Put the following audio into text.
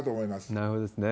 なるほどですね。